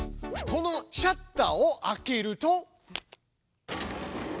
このシャッターを開けると。